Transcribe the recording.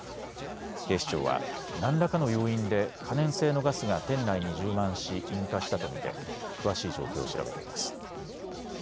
警視庁は何らかの要因で可燃性のガスが店内に充満し引火したと見て詳しい状況を調べています。